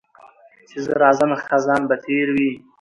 چي زه راځمه خزان به تېر وي